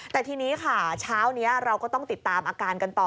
แต่ทีนี้ค่ะเช้านี้เราก็ต้องติดตามอาการกันต่อ